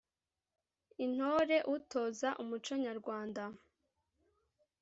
intore utoza umuco nyarwanda,